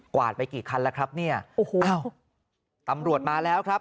วาดไปกี่คันแล้วครับเนี่ยโอ้โหตำรวจมาแล้วครับ